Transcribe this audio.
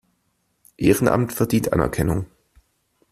Ehrenamt verdient Anerkennung.